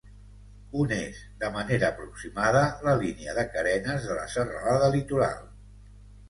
Un és, de manera aproximada, la línia de carenes de la Serralada Litoral.